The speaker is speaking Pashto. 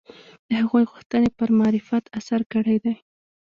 د هغوی غوښتنې پر معرفت اثر کړی دی